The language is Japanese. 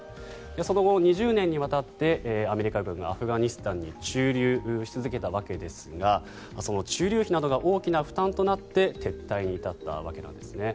その後、２０年にわたってアメリカ軍がアフガニスタンに駐留し続けてわけですがその駐留費などが大きな負担となって撤退に至ったわけなんですね。